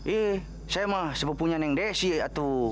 iya saya mah sepupunya neng desi ya tuh